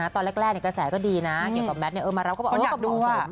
ตอนแรกกระแสก็ดีนะเกี่ยวกับแมทมารับก็บอกอยากดูสิ